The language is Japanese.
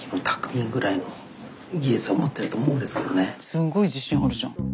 すごい自信あるじゃん。